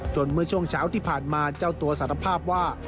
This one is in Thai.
เมื่อช่วงเช้าที่ผ่านมาเจ้าตัวสารภาพว่า